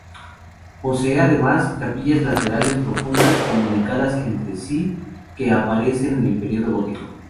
Posee además, capillas laterales profundas, comunicadas entre sí, que aparecen en el periodo gótico.